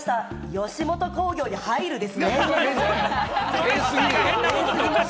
吉本興業に入るですね。